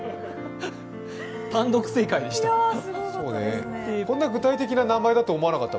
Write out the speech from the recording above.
単独正解でした。